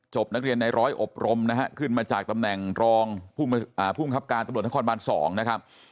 นักเรียนในร้อยอบรมนะฮะขึ้นมาจากตำแหน่งรองภูมิครับการตำรวจนครบาน๒นะครับ